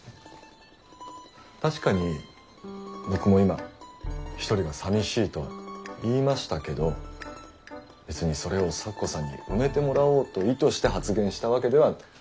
確かに僕も今一人が寂しいとは言いましたけど別にそれを咲子さんに埋めてもらおうと意図して発言したわけでは。